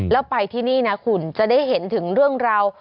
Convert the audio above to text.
แล้วไปที่นี่นะคุณจะได้เห็นถึงเรื่องราว